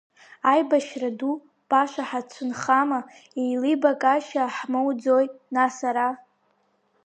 Аибашьра ду баша ҳацәынхама, еилибакаашьа ҳмоуӡои нас ара?